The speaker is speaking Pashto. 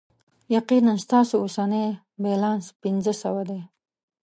یقینا، ستاسو اوسنی بیلانس پنځه سوه دی.